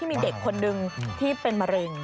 มีเด็กคนนึงที่เป็นมะเร็ง